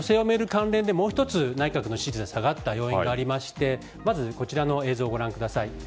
関連でもう１つ、内閣の支持率が下がった要因がありましてまず、こちらの映像をご覧ください。